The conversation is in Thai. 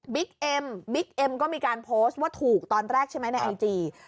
เอ็มบิ๊กเอ็มก็มีการโพสต์ว่าถูกตอนแรกใช่ไหมในไอจี